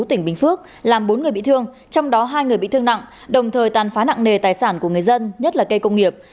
tỉnh bình phước làm bốn người bị thương trong đó hai người bị thương nặng đồng thời tàn phá nặng nề tài sản của người dân nhất là cây công nghiệp